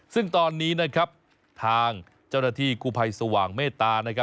ซึ่งตอนนี้ทางเจ้าหน้าที่กุภัยสว่างเมตตา